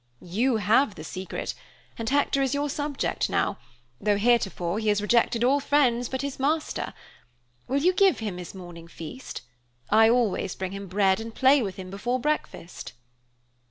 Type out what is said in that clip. "You have the secret, and Hector is your subject now, though heretofore he has rejected all friends but his master. Will you give him his morning feast? I always bring him bread and play with him before breakfast."